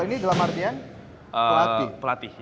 ini dalam artian pelatih